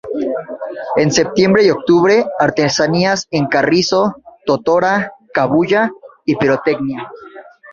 En septiembre y octubre; artesanías en carrizo, totora, cabuya y pirotecnia.